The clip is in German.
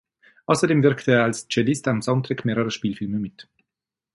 Außerdem wirkte er als Cellist am Soundtrack mehrerer Spielfilme mit.